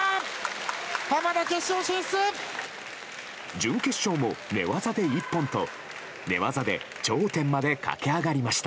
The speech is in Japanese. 準決勝も寝技で一本と寝技で頂点まで駆け上がりました。